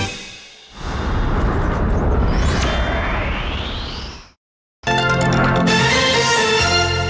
นี่ไงศัตริ์หยุ่งข้า